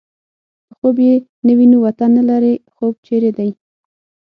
په خوب يې نه وینو وطن نه لرې خوب چېرې دی